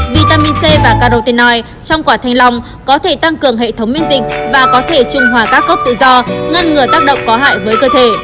vitamin c và carotinoite trong quả thanh long có thể tăng cường hệ thống miễn dịch và có thể trung hòa các gốc tự do ngăn ngừa tác động có hại với cơ thể